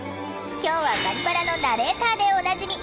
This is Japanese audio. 今日は「バリバラ」のナレーターでおなじみ